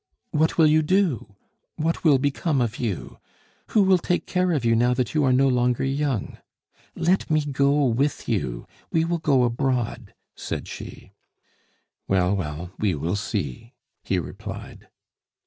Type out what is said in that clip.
What will you do? What will become of you? Who will take care of you now that you are no longer young? Let me go with you we will go abroad " said she. "Well, well, we will see," he replied.